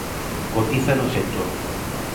Cotiza no sector.